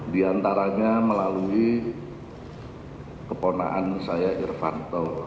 di antaranya melalui keponaan saya irvanto